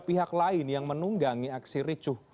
pihak lain yang menunggangi aksi ricuh